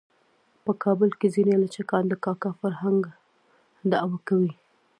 په کابل کې ځینې لچکان د کاکه فرهنګ دعوه کوي.